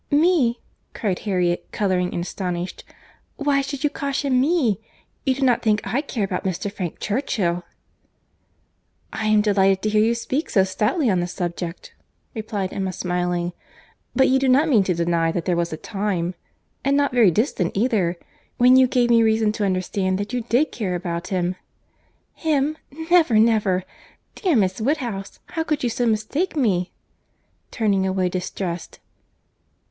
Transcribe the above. "Me!" cried Harriet, colouring, and astonished. "Why should you caution me?—You do not think I care about Mr. Frank Churchill." "I am delighted to hear you speak so stoutly on the subject," replied Emma, smiling; "but you do not mean to deny that there was a time—and not very distant either—when you gave me reason to understand that you did care about him?" "Him!—never, never. Dear Miss Woodhouse, how could you so mistake me?" turning away distressed.